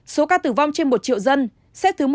số ca tử vong trên một triệu dân xếp thứ một trăm ba mươi ba